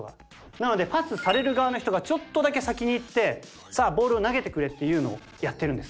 なのでパスされる側の人がちょっとだけ先に行ってさあボールを投げてくれっていうのをやってるんです。